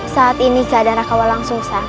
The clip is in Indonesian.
saat ini keadaan raka walang susah